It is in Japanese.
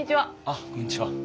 あっこんにちは。